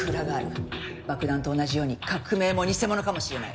爆弾と同じように革命も偽物かもしれない。